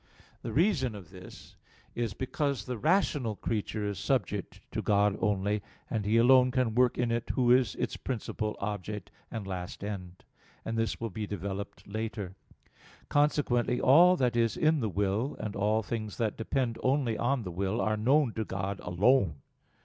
The reason of this is, because the rational creature is subject to God only, and He alone can work in it Who is its principal object and last end: this will be developed later (Q. 63, A. 1; Q. 105, A. 5). Consequently all that is in the will, and all things that depend only on the will, are known to God alone.